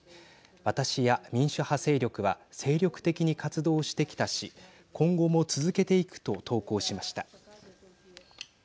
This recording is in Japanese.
私や民主派勢力は精力的に活動してきたし今後も続けていくと投稿しました。